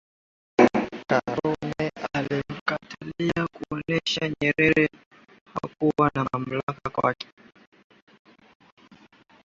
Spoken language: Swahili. Karume alimkatalia kuonesha kwamba Nyerere hakuwa na mamlaka kwake